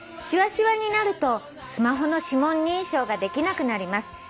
「しわしわになるとスマホの指紋認証ができなくなります。